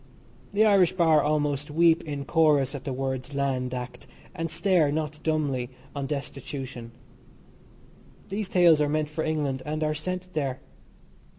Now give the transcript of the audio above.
The Irish Bar almost weep in chorus at the words "Land Act," and stare, not dumbly, on destitution. These tales are meant for England and are sent there.